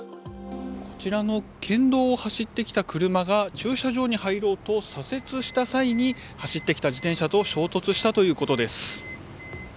こちらの県道を走ってきた車が駐車場に入ろうと左折した際に走ってきた自転車と衝突したということです。